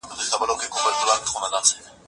زه مخکي ونې ته اوبه ورکړې وې،